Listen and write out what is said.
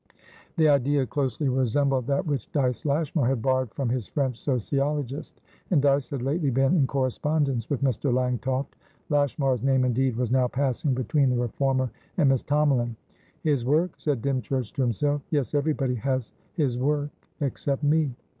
The idea closely resembled that which Dyce Lashmar had borrowed from his French sociologist, and Dyce had lately been in correspondence with Mr. Langtoft. Lashmar's name, indeed, was now passing between the reformer and Miss Tomalin. "His work," said Dymchurch to himself. "Yes, everybody has his workexcept me."